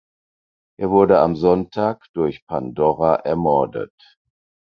Er wurde am Sonntag durch Pandora ermordet.